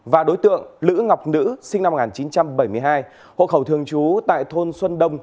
và đối tượng lữ ngọc nữ sinh năm một nghìn chín trăm bảy mươi hai hộ khẩu thường trú tại thôn xuân đông